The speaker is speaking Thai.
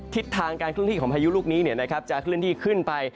ทิศทางการเคลื่อนที่ของพายุลูกนี้จะเคลื่อนที่ขึ้นไป